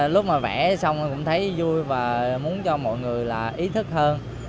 lúc mà vẽ xong em cũng thấy vui và muốn cho mọi người là ý thức hơn